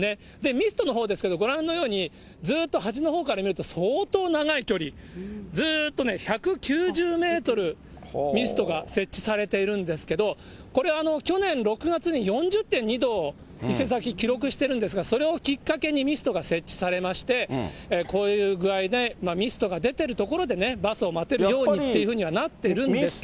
ミストのほうですけど、ご覧のように、ずっと端のほうから見ると相当長い距離、ずーっとね、１９０メートル、ミストが設置されているんですけど、これ、去年６月に４０．２度を伊勢崎、記録してるんですが、それをきっかけにミストが設置されまして、こういう具合でミストが出てる所でね、バスを待てるようにっていうふうにはなってるんですけど。